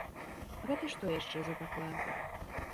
Гэта што яшчэ за такое?